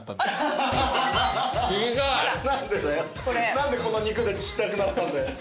何でこの肉で聞きたくなったんだよ。